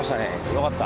よかった。